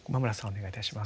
お願いいたします。